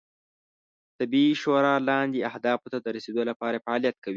طبي شورا لاندې اهدافو ته رسیدو لپاره فعالیت کوي